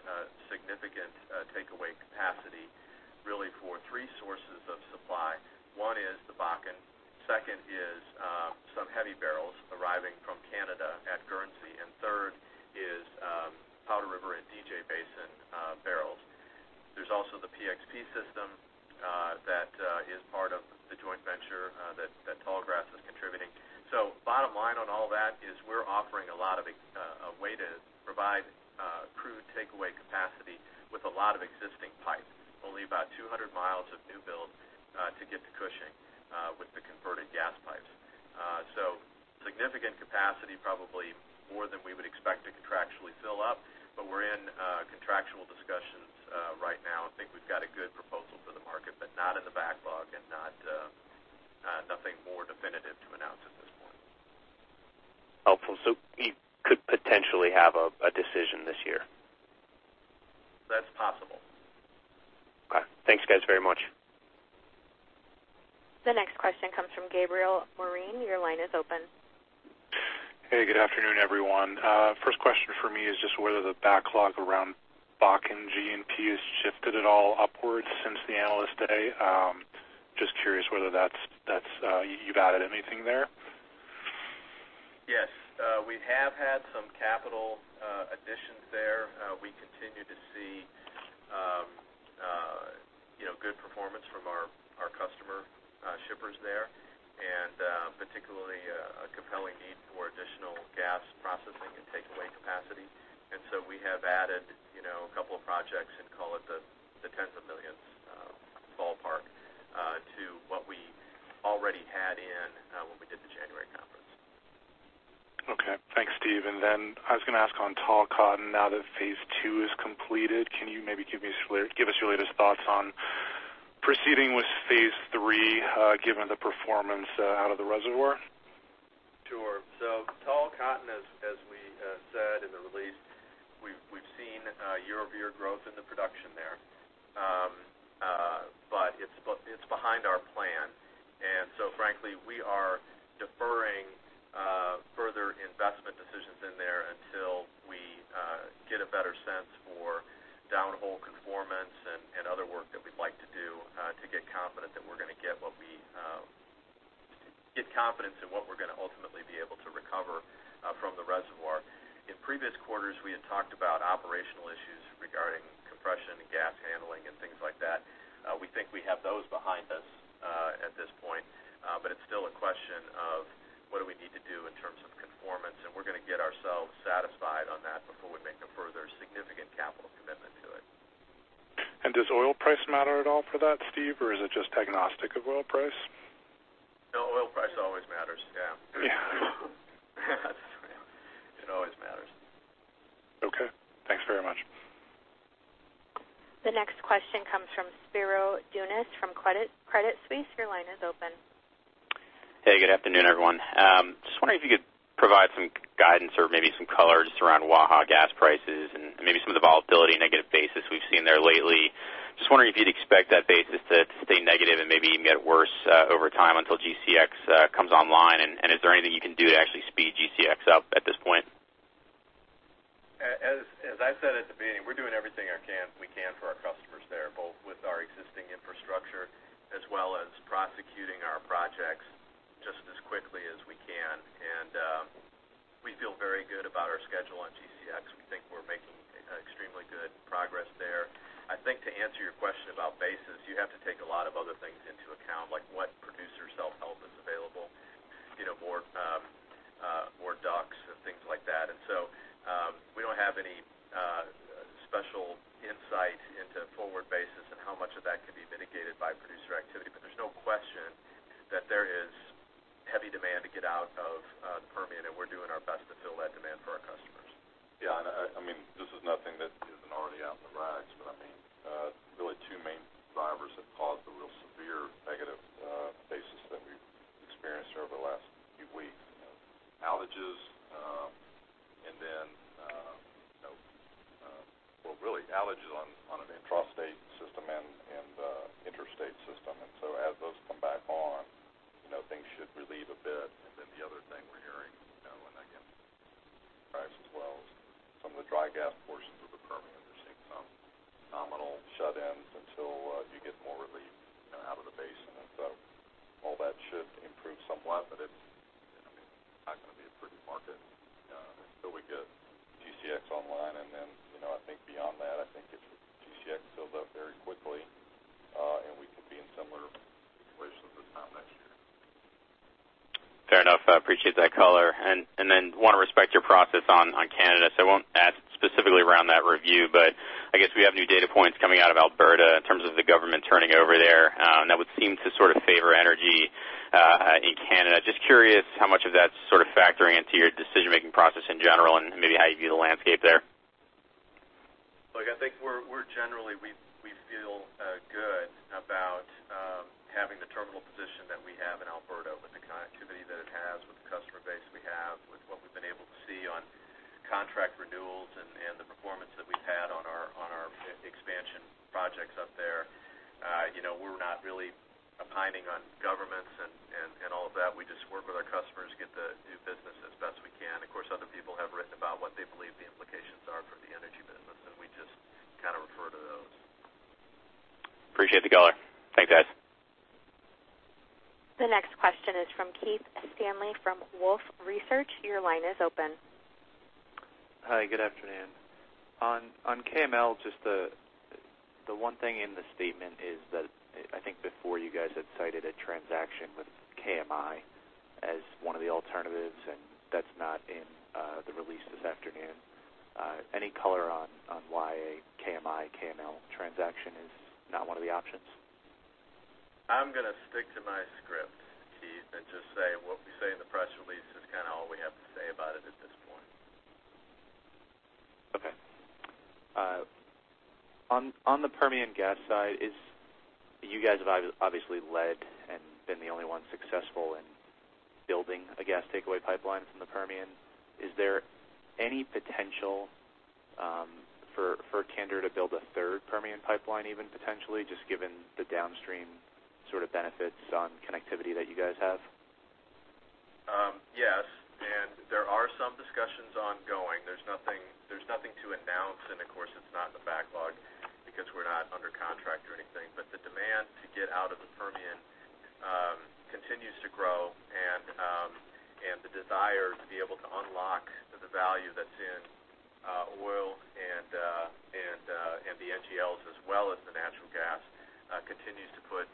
significant takeaway capacity really for three sources of supply. One is the Bakken, second is some heavy barrels arriving from Canada at Guernsey, and third is Powder River and DJ Basin barrels. There's also the PXP system that is part of the joint venture that Tallgrass is contributing. Bottom line on all that is we're offering a way to provide crude takeaway capacity with a lot of existing pipe. Only about 200 miles of new build to get to Cushing with the converted gas pipes. Significant capacity, probably more than we would expect to contractually fill up, we're in contractual discussions right now and think we've got a good proposal for the market, not in the backlog and nothing more definitive to announce at this point. Helpful. You could potentially have a decision this year? That's possible. Okay. Thanks, guys, very much. The next question comes from Gabriel Moreen. Your line is open. Hey, good afternoon, everyone. First question for me is just whether the backlog around Bakken G and P has shifted at all upwards since the Analyst Day. Just curious whether you've added anything there. Yes. We have had some capital additions there. We continue to see good performance from our customer shippers there, and particularly a compelling need for additional gas processing and take away capacity. We have added a couple of projects and call it the tens of millions ballpark to what we already had in when we did the January conference. Okay. Thanks, Steve. I was going to ask on Tall Cotton, now that phase 2 is completed, can you maybe give us your latest thoughts on proceeding with phase 3 given the performance out of the reservoir? Sure. Tall Cotton, as we said in the release, we've seen year-over-year growth in the production there. It's behind our plan. Frankly, we are deferring further investment decisions in there until we get a better sense for downhole conformance and other work that we'd like to do to get confidence in what we're going to ultimately be able to recover from the reservoir. In previous quarters, we had talked about operational issues regarding compression and gas handling and things like that. We think we have those behind us at this point, but it's still a question of what do we need to do in terms of conformance, and we're going to get ourselves satisfied on that before we make a further significant capital commitment to it. Does oil price matter at all for that, Steve, or is it just agnostic of oil price? No, oil price always matters. Yeah. Yeah. It always matters. Okay. Thanks very much. The next question comes from Spiro Dounis from Credit Suisse. Your line is open. Hey, good afternoon, everyone. Just wondering if you could provide some guidance or maybe some color just around Waha gas prices and maybe some of the volatility negative basis we've seen there lately. Just wondering if you'd expect that basis to stay negative and maybe even get worse over time until GCX comes online. Is there anything you can do to actually speed GCX up at this point? As I said at the beginning, we're doing everything we can for our customers there, both with our existing infrastructure as well as prosecuting our projects just as quickly as we can. We feel very good about our schedule on GCX. We think we're making extremely good progress there. I think to answer your question about basis, you have to take a lot of other things into account, like what producer self-help is available, more docks and things like that. We don't have any special insight into forward basis and how much of that can be mitigated by producer activity. There's no question that there is heavy demand to get out of the Permian, and we're doing our best to fill that demand for our customers. Yeah, this is nothing that isn't already out in the rags, but really two main drivers have caused the real severe negative basis that we've experienced over the last few weeks. Outages and then, well, really outages on an intrastate system and interstate system. As those come back on, things should relieve a bit. The other thing we're hearing, and again, this is in price as well, is some of the dry gas portions of the Permian are seeing some nominal shut-ins until you get more relief out of the basin. All that should improve somewhat, but it's not going to be a pretty market until we get GCX online, and then I think beyond that, I think GCX fills up very quickly, and we could be in similar situations this time next year. Fair enough. I appreciate that color. Want to respect your process on Canada, so I won't ask specifically around that review, but I guess we have new data points coming out of Alberta in terms of the government turning over there. That would seem to sort of favor energy in Canada. Just curious how much of that's sort of factoring into your decision-making process in general and maybe how you view the landscape there. Look, I think we feel good about having the terminal position that we have in Alberta with the connectivity that it has, with the customer base we have, with what we've been able to see on contract renewals and the performance that we've had on our expansion projects up there. We're not really opining on governments and all of that. We just work with our customers, get the new business as best we can. Of course, other people have written about what they believe the implications are for the energy business, we just kind of refer to those. Appreciate the color. Thanks, guys. The next question is from Keith Stanley from Wolfe Research. Your line is open. Hi, good afternoon. On KML, just the one thing in the statement is that I think before you guys had cited a transaction with KMI as one of the alternatives, and that's not in the release this afternoon. Any color on why a KMI-KML transaction is not one of the options? I'm going to stick to my script, Keith, and just say what we say in the press release is kind of all we have to say about it at this point. Okay. On the Permian gas side, you guys have obviously led and been the only one successful in building a gas takeaway pipeline from the Permian. Is there any potential for Kinder to build a third Permian pipeline even potentially, just given the downstream sort of benefits on connectivity that you guys have? Yes, there are some discussions ongoing. There's nothing to announce. We're not under contract or anything, but the demand to get out of the Permian continues to grow, and the desire to be able to unlock the value that's in oil and the NGLs as well as the natural gas continues to put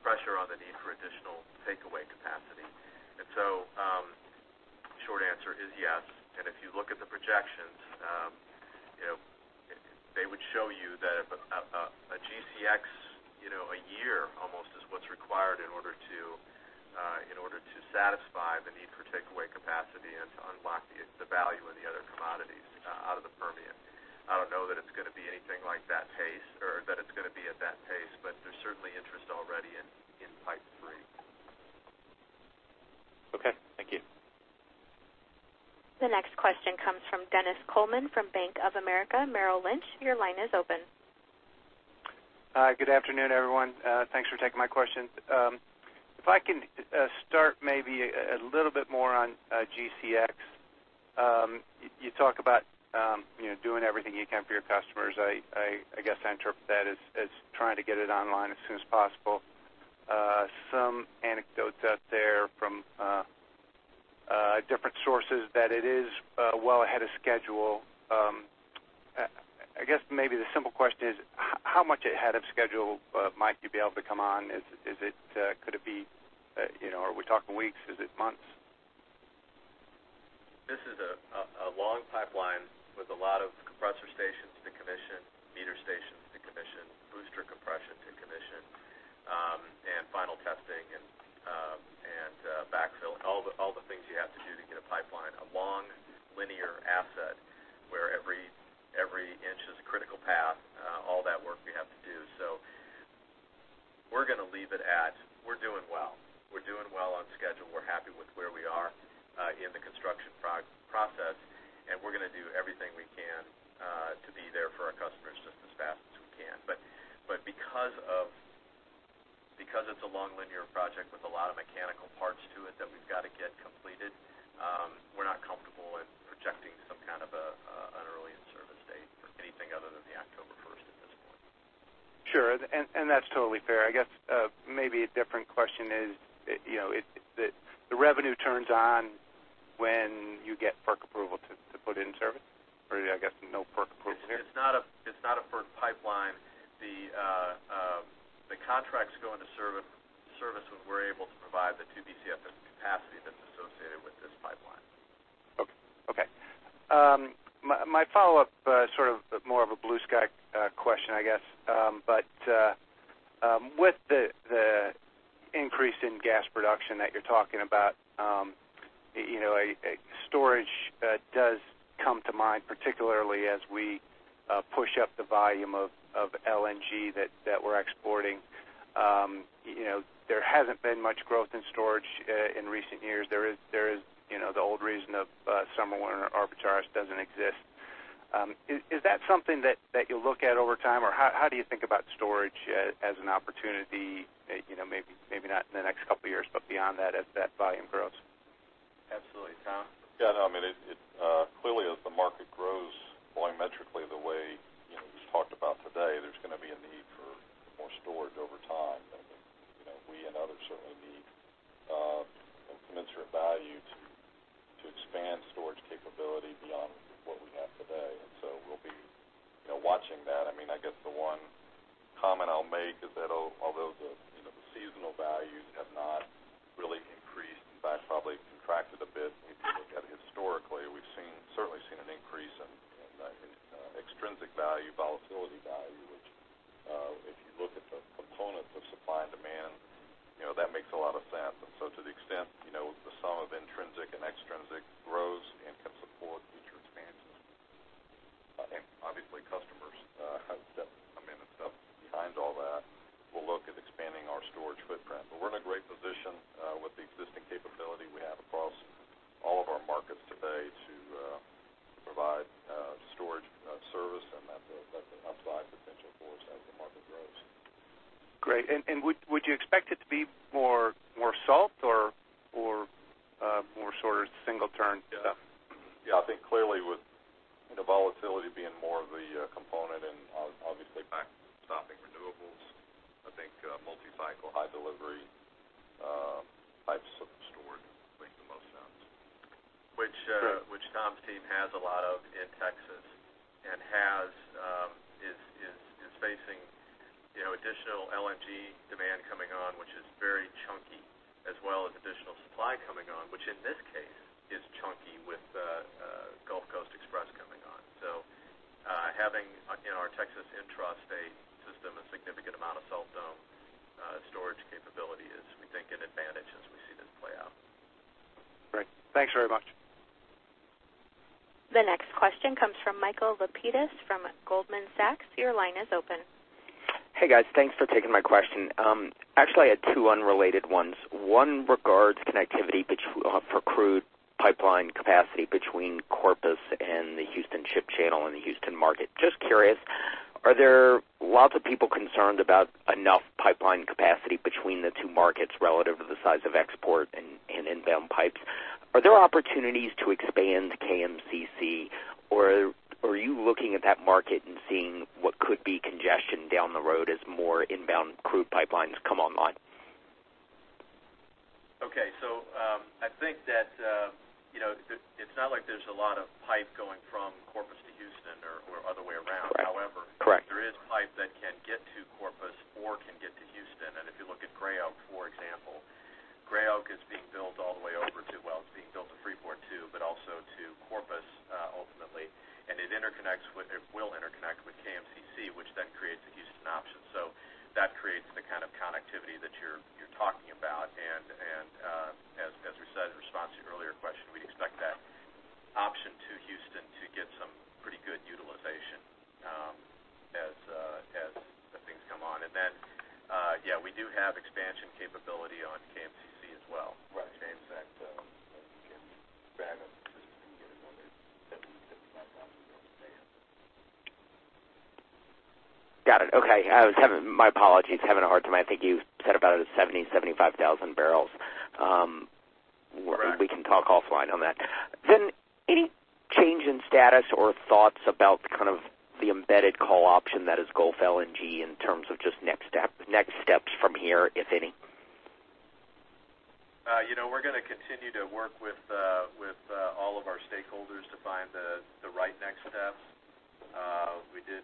pressure on the need for additional takeaway capacity. The short answer is yes, if you look at the projections, they would show you that a GCX a year almost is what's required in order to satisfy the need for takeaway capacity and to unlock the value in the other commodities out of the Permian. I don't know that it's going to be anything like that pace or that it's going to be at that pace, but there's certainly interest already in pipe three. Okay. Thank you. The next question comes from Dennis Coleman from Bank of America Merrill Lynch. Your line is open. Hi, good afternoon, everyone. Thanks for taking my question. If I can start maybe a little bit more on GCX. You talk about doing everything you can for your customers. I guess I interpret that as trying to get it online as soon as possible. Some anecdotes out there from different sources that it is well ahead of schedule. I guess maybe the simple question is how much ahead of schedule might you be able to come on? Are we talking weeks? Is it months? This is a long pipeline with a lot of compressor stations to commission, meter stations to commission, booster compression to commission, and final testing and backfill. that you're talking about, storage does come to mind, particularly as we push up the volume of LNG that we're exporting. There hasn't been much growth in storage in recent years. There is the old reason of summer winter arbitrage doesn't exist. Is that something that you'll look at over time? Or how do you think about storage as an opportunity, maybe not in the next couple of years, but beyond that as that volume grows? Absolutely. Tom? Yeah. Clearly as the market grows volumetrically the way we've talked about today, there's going to be a need for more storage over time. We and others certainly need commensurate value to expand storage capability beyond what we have today. We'll be watching that. I guess the one comment I'll make is that although the additional LNG demand coming on, which is very chunky, as well as additional supply coming on, which in this case is chunky with Gulf Coast Express coming on. Having in our Texas intrastate system a significant amount of salt dome storage capability is we think an advantage as we see this play out. Great. Thanks very much. The next question comes from Michael Lapides from Goldman Sachs. Your line is open. Hey, guys. Thanks for taking my question. Actually, I had two unrelated ones. One regards connectivity for crude pipeline capacity between Corpus and the Houston Ship Channel and the Houston market. Just curious, are there lots of people concerned about enough pipeline capacity between the two markets relative to the size of export and inbound pipes? Are there opportunities to expand KMCC or are you looking at that market and seeing what could be congestion down the road as more inbound crude pipelines come online? Okay. I think that it's not like there's a lot of pipe going from Corpus to Houston or other way around. Correct. However, there is pipe that can get to Corpus or can get to Houston. If you look at Gray Oak, for example, Gray Oak is being built all the way over to, well, it's being built to Freeport too, but also to Corpus, ultimately. It will interconnect with KMCC, which then creates a Houston option. That creates the kind of connectivity that you're talking about and as we said in response to your earlier question, we expect that option to Houston to get some pretty good utilization as the things come on. Then, yeah, we do have expansion capability on KMCC as well. Right. James, back to you. Can we expand them to get another 70,000, 75,000 barrels a day out of there? Got it. Okay. My apologies. Having a hard time. I think you said about 70,000, 75,000 barrels. Correct. We can talk offline on that. Any change in status or thoughts about kind of the embedded call option that is Gulf LNG in terms of just next steps from here, if any? We're going to continue to work with all of our stakeholders to find the right next steps. We did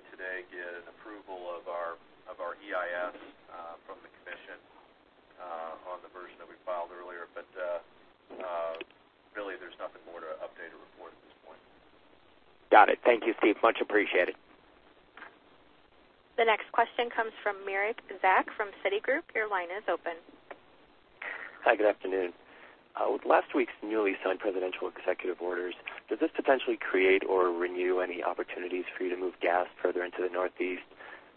today get an approval of our EIS from the commission on the version that we filed earlier. Really there's nothing more to update or report at this point. Got it. Thank you, Steve. Much appreciated. The next question comes from Mirek Zak from Citigroup. Your line is open. Hi, good afternoon. With last week's newly signed presidential executive orders, does this potentially create or renew any opportunities for you to move gas further into the Northeast?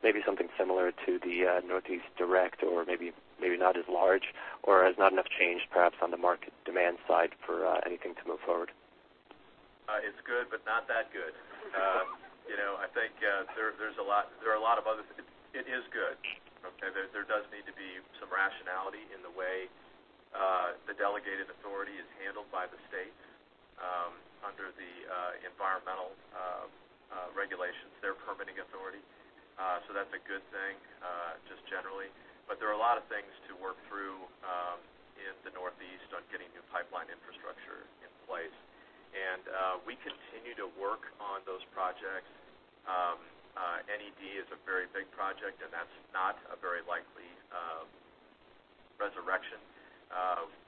Maybe something similar to the Northeast Direct or maybe not as large, or has not enough changed perhaps on the market demand side for anything to move forward? It's good, but not that good. It is good. Okay. There does need to be some rationality in the way the delegated authority is handled by the states under the environmental regulations, their permitting authority. That's a good thing, just generally. There are a lot of things to work through in the Northeast on getting new pipeline infrastructure in place. We continue to work on those projects. NED is a very big project, and that's not a very likely resurrection.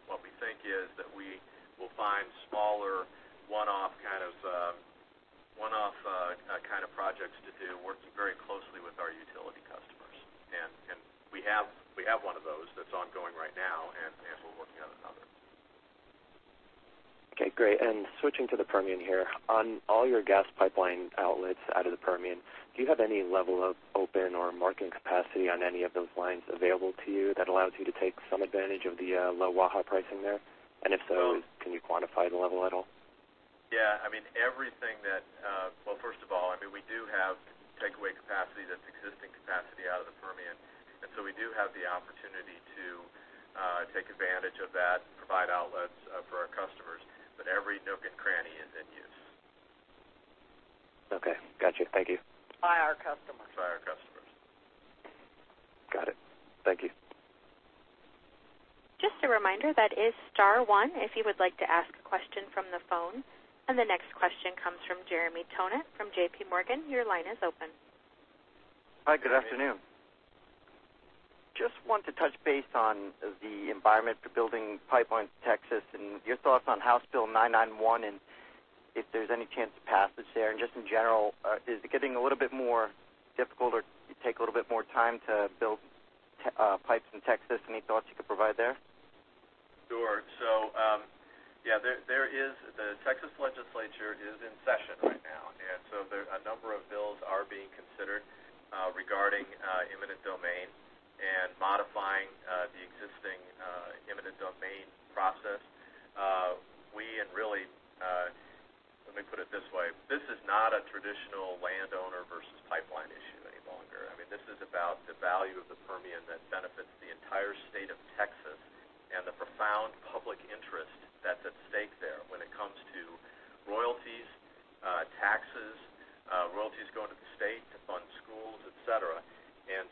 What we think is that we will find smaller, one-off kind of projects to do working very closely with our utility customers. We have one of those that's ongoing right now, and we're working on another. Okay, great. Switching to the Permian here. On all your gas pipeline outlets out of the Permian, do you have any level of open or marketing capacity on any of those lines available to you that allows you to take some advantage of the low Waha pricing there? If so, can you quantify the level at all? Yeah. Well, first of all, we do have takeaway capacity that's existing capacity out of the Permian. We do have the opportunity to take advantage of that and provide outlets for our customers. Every nook and cranny is in use. Okay. Got you. Thank you. By our customers. By our customers. Got it. Thank you. Just a reminder, that is star one if you would like to ask a question from the phone. The next question comes from Jeremy Tonet from JPMorgan. Your line is open. Hi, good afternoon. Just want to touch base on the environment for building pipelines in Texas and your thoughts on Texas House Bill 991 and if there's any chance of passage there. Just in general, is it getting a little bit more difficult or take a little bit more time to build pipes in Texas? Any thoughts you could provide there? Sure. The Texas legislature is in session right now, a number of bills are being considered regarding eminent domain and modifying the existing eminent domain process. Let me put it this way. This is not a traditional landowner versus pipeline issue any longer. This is about the value of the Permian that benefits the entire state of Texas and the profound public interest that's at stake there when it comes to royalties, taxes, royalties going to the state to fund schools, et cetera.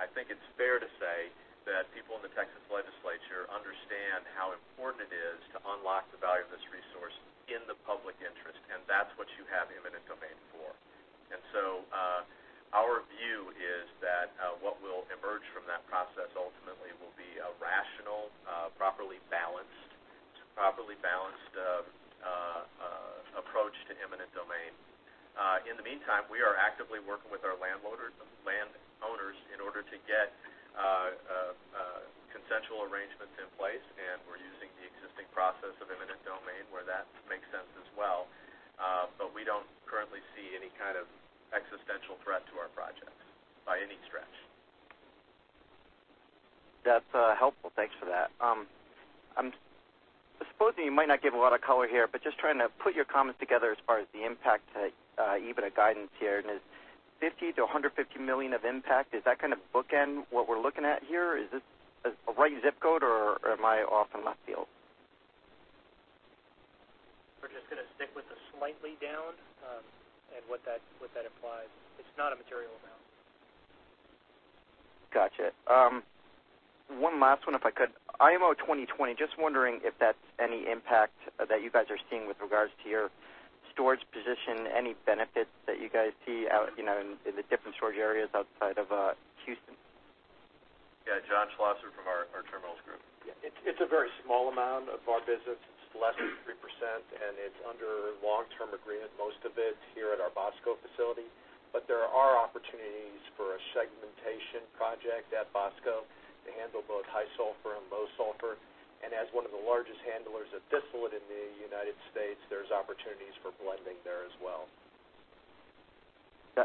I think it's fair to say that people in the Texas legislature understand how important it is to unlock the value of this resource in the public interest, and that's what you have eminent domain for. Our view is that what will emerge from that process ultimately will be a rational, properly balanced approach to eminent domain. In the meantime, we are actively working with our landowners in order to get consensual arrangements in place, and we're using the existing process of eminent domain where that makes sense as well. We don't currently see any kind of existential threat to our projects by any stretch. That's helpful. Thanks for that. I'm supposing you might not give a lot of color here, just trying to put your comments together as far as the impact to EBITDA guidance here. Is $50 million-$150 million of impact, is that kind of bookend what we're looking at here? Is this the right zip code or am I off in left field? We're just going to stick with the slightly down, what that implies. It's not a material amount. Got you. One last one, if I could. IMO 2020, just wondering if that's any impact that you guys are seeing with regards to your storage position, any benefits that you guys see in the different storage areas outside of Houston? Yeah. John Schlosser from our terminals group. Yeah. It's a very small amount of our business. It's less than 3%, and it's under long-term agreement, most of it here at our BOSTCO facility. There are opportunities for a segmentation project at BOSTCO to handle both high sulfur and low sulfur. As one of the largest handlers of distillate in the United States, there's opportunities for blending there as well.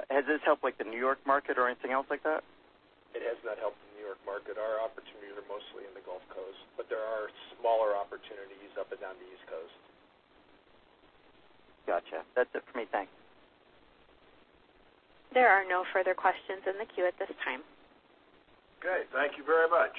Has this helped the New York market or anything else like that? It has not helped the New York market. Our opportunities are mostly in the Gulf Coast, there are smaller opportunities up and down the East Coast. Got you. That's it for me. Thanks. There are no further questions in the queue at this time. Great. Thank you very much.